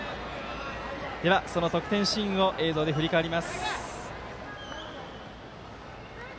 では、その得点シーンを映像で振り返ります。